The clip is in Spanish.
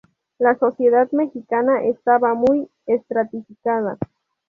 La sociedad mexica estaba muy estratificada.